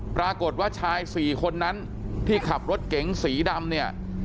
ปรากฏว่าชายสี่คนนั้นที่ขับรถเก๋งสีดำเนี่ย